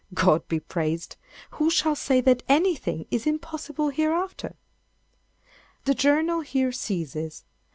God be praised! Who shall say that anything is impossible hereafter?" The Journal here ceases.